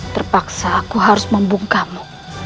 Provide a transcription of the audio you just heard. terpaksa aku harus membungkamu